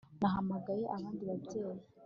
Nahamagaye abandi babyeyi